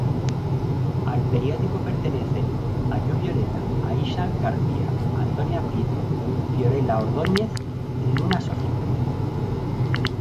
Al periódico pertenecen: Ayu Violeta, Aisha García, Antonia Prieto, Fiorella Ordoñez y Luna Sofía.